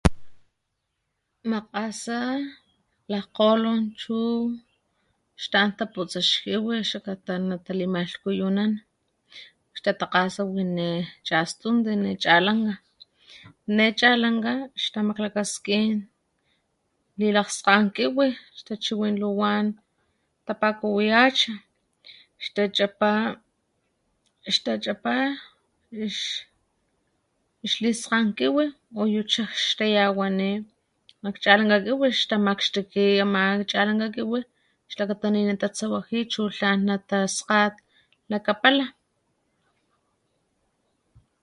Makgasa lakgkgolon chu xta´an taputsa ix kiwi xakata natalimalhkuyukan , xtatakgasa wine chastunti ne chalankga ne chalankga xtamaklakaskin lilakgskan kiwi ix tachiwin luwan tapakuwi hacha xtachapa, xtachapa ix liskan kiwi uyu chaj xtayawani nak chalankga kiwi xtamakxtiki ama chalankga kiwi xlakata ninatatsawaji chu tlan nataska lakapala